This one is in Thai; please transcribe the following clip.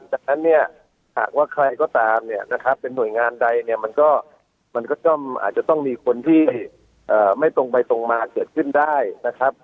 จากนั้นเนี่ยหากว่าใครก็ตามเนี่ยนะครับเป็นหน่วยงานใดเนี่ยมันก็มันก็ต้องอาจจะต้องมีคนที่ไม่ตรงไปตรงมาเกิดขึ้นได้นะครับ